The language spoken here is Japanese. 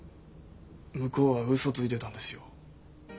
向こうはウソついてたんですよ。